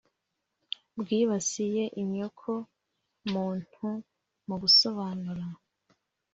bwibasiye inyoko muntu mu gusobanura,